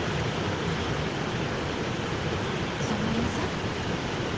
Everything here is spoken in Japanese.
そう思いません？